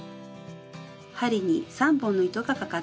針に３本の糸がかかっています。